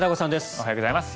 おはようございます。